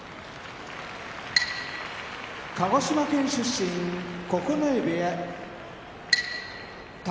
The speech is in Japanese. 鹿児島県出身九重部屋宝